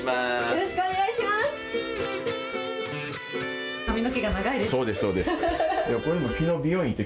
よろしくお願いします。